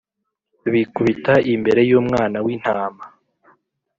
bikubita imbere y’Umwana w’Intama,